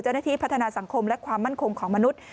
เจ้าหน้าที่พัฒนาสังคมและความมั่นคงของมนุษย์